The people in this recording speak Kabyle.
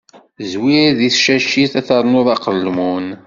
Zwir deg tacacit, ternuḍ aqelmun.